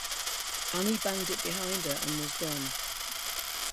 Annie banged it behind her, and was gone.